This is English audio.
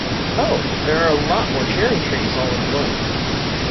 Oh, there are a lot more cherry-trees all in bloom!